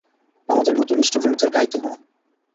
আমাদের নতুন স্টুডেন্টদের গাইতে হয়।